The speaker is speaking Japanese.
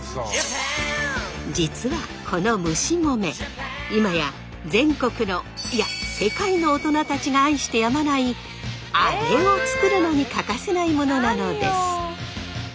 実はこの蒸し米今や全国のいや世界の大人たちが愛してやまないアレを作るのに欠かせないものなのです。